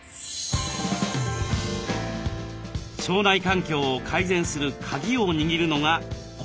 腸内環境を改善するカギを握るのがこちら。